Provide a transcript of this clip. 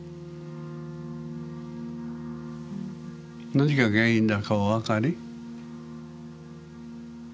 何が原因だかおわかり？